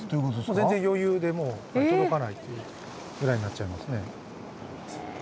全然余裕で届かないっていうぐらいになっちゃいますね。